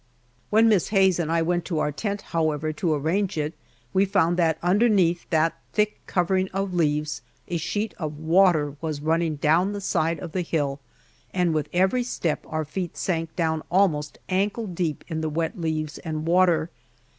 When Miss Hayes and I went to our tent, however, to arrange it, we found that underneath that thick covering of leaves a sheet of water was running down the side of the hill, and with every step our feet sank down almost ankle deep in the wet leaves and water.